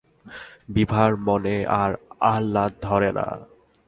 বিভার মনে আর আহ্লাদ ধরে না।